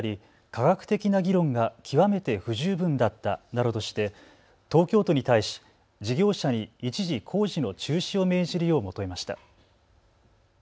科学的な議論が極めて不十分だったなどとして東京都に対し事業者に一時工事の中止を命じるよう求めました。